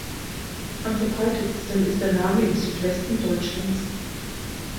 Am verbreitetsten ist der Name im Südwesten Deutschlands.